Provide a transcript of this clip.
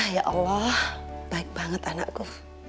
ya allah baik banget anakku